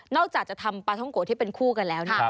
นอกจากจะทำปลาท่องโกะที่เป็นคู่กันแล้วนะ